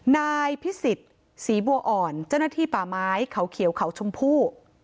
นายพิสิทธิ์ศรีบัวอ่อนเจ้าหน้าที่ป่าไม้เขาเขียวเขาชมพู่